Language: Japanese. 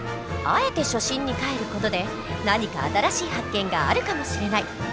あえて初心にかえる事で何か新しい発見があるかもしれない！